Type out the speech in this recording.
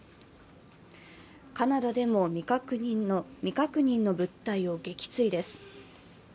カナダでも未確認の物体を撃墜です。